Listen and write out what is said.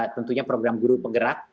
tentunya program guru penggerak